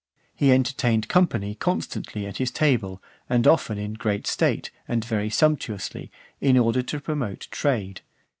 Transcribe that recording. He entertained company constantly at his table, and often in great state and very sumptuously, in order to promote trade.